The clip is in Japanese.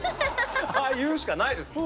ああ言うしかないですもん。